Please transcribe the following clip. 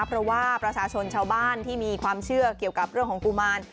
เพราะว่าประชาชนชาวบ้านที่มีความเชื่อเกี่ยวกับเรื่องของกุมาร